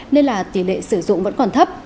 nên là tỷ lệ sử dụng vẫn còn thấp